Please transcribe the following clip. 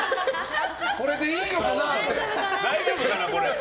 これでいいのかな？って。